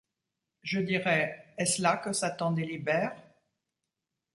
Je dirais : Est-ce là que Satan délibère ?